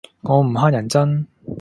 我唔乞人憎